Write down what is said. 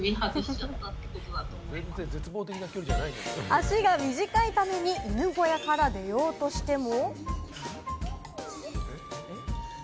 足が短いために犬小屋から出ようとしても。